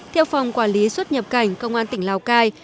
theo phòng quản lý xuất nhập cảnh công an tỉnh lào cai